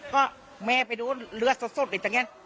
ก็แม่ไปดูเลือดสดอยู่ตรงเนี้ย